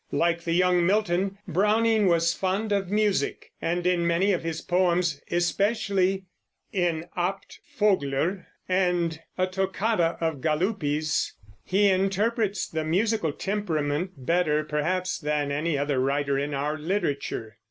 Like the young Milton, Browning was fond of music, and in many of his poems, especially in "Abt Vogler" and "A Toccata of Galuppi's," he interprets the musical temperament better, perhaps, than any other writer in our literature.